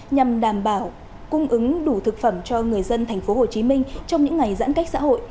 nhằm đảm bảo cung ứng đủ thực phẩm cho người dân tp hcm trong những ngày giãn cách xã hội